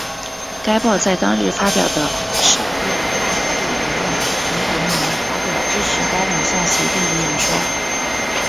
该报在当日发表的社论大幅度引用梅隆尼发表支持该两项协定的演说。